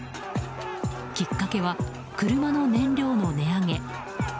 きっかけは、車の燃料の値上げ。